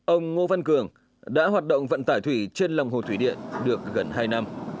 ông ngô văn cường đã hoạt động vận tải thủy trên lòng hồ thủy điện được gần hai năm